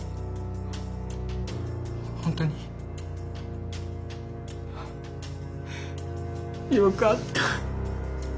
本当に？あよかった。